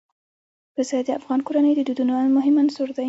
پسه د افغان کورنیو د دودونو مهم عنصر دی.